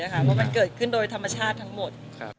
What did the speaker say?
เพราะมันเกิดขึ้นโดยธรรมชาติทั้งหมด